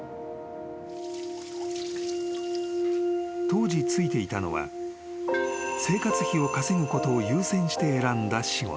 ［当時就いていたのは生活費を稼ぐことを優先して選んだ仕事］